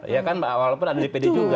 ya kan walaupun ada dpd juga